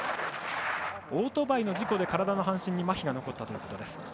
オートバイの事故で体の半身にまひが残ったということです。